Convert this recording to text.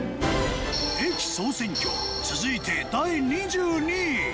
『駅総選挙』続いて第２２位！